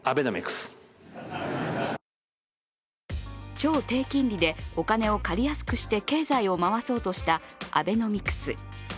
超低金利でお金を借りやすくして経済を回そうとしたアベノミクス。